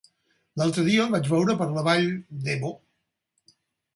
L'altre dia el vaig veure per la Vall d'Ebo.